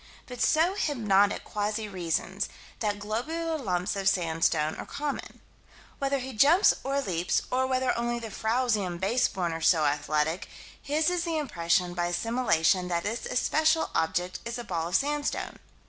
But so hypnotic quasi reasons: that globular lumps of sandstone are common. Whether he jumps or leaps, or whether only the frowsy and base born are so athletic, his is the impression, by assimilation, that this especial object is a ball of sandstone.